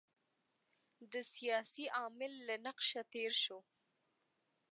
د سیاسي عامل له نقشه تېر شو.